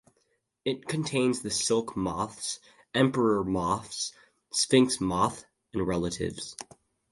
It contains the silk moths, emperor moths, sphinx moth, and relatives.